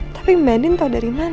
tapi medin tau dari mana